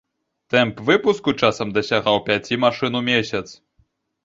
Тэмп выпуску часам дасягаў пяці машын у месяц.